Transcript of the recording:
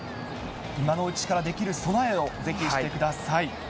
今のうちからできる備えをぜひしてください。